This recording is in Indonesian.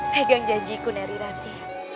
pegang janjiku narirati